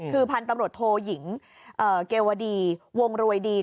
คือพันธุ์ตำรวจโทยิงเกวดีวงรวยดี